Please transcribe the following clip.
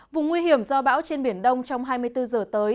vùng nguy hiểm do bão trên biển đông trong hai mươi bốn giờ tới